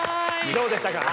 どうでしたか？